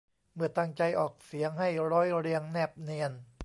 เมื่อตั้งใจออกเสียงให้ร้อยเรียงแนบเนียน